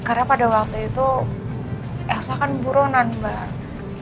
karena pada waktu itu elsa kan buronan mbak